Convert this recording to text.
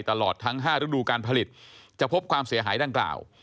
ตลอดทั้ง๕ฤดูการผลิตจะพบความเสียหายดังกล่าว